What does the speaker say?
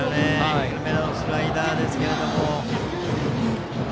低めのスライダーですけど。